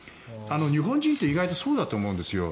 日本人って意外とそうだと思うんですよ。